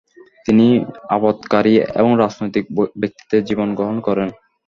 তিনি আবাদকারী এবং রাজনৈতিক ব্যক্তিত্বের জীবন গ্রহণ করেন।